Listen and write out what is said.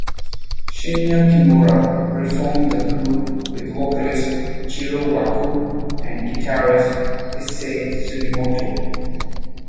Shinya Kimura re-formed the group with vocalist Jiro Waku and guitarist Issei Sugimoto.